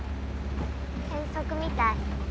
遠足みたい。